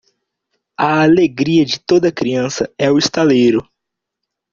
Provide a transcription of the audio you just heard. A alegria de toda criança é o estaleiro.